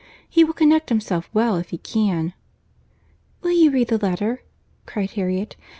He will connect himself well if he can." "Will you read the letter?" cried Harriet.